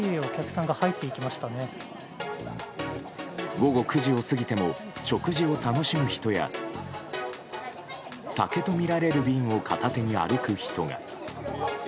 午後９時を過ぎても食事を楽しむ人や酒とみられる瓶を片手に歩く人が。